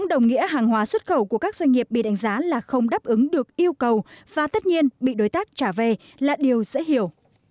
đồng nghĩa hàng hóa xuất khẩu của các doanh nghiệp bị đánh giá là không đáp ứng được yêu cầu và tất nhiên bị đối tác trả về là điều dễ hiểu